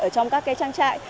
ở trong các trang trại